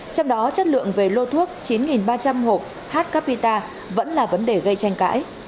trong đó chất lượng về lô thuốc chín ba trăm linh hộp h capita vẫn là vấn đề gây tranh cãi